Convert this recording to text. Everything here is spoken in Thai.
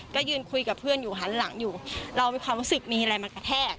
ก็ยืนคุยกับเพื่อนอยู่หันหลังอยู่เรามีความรู้สึกมีอะไรมากระแทก